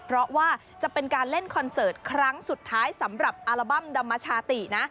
เพราะว่าจะเป็นการเล่นคอนเสิร์ตครั้งสุดท้ายสำหรับอัลบั้มดำชาตินะ